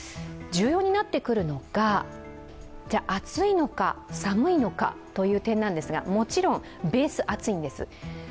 重要になってくるのが、暑いのか、寒いのかという点ですがもちろんベース、暑いんです。